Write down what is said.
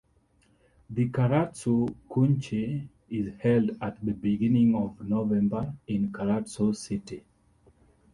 The Karatsu Kunchi is held at the beginning of November in Karatsu City.